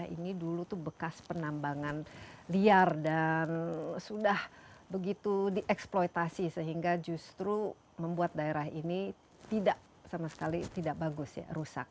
ini dulu itu bekas penambangan liar dan sudah begitu dieksploitasi sehingga justru membuat daerah ini tidak sama sekali tidak bagus ya rusak